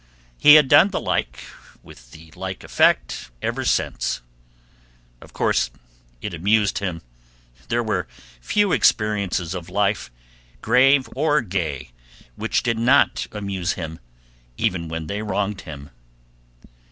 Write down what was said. He had done the like with the like effect ever since. Of course, it amused him; there were few experiences of life, grave or gay, which did not amuse him, even when they wronged him.